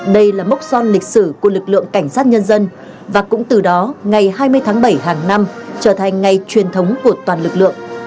đây là mốc son lịch sử của lực lượng cảnh sát nhân dân và cũng từ đó ngày hai mươi tháng bảy hàng năm trở thành ngày truyền thống của toàn lực lượng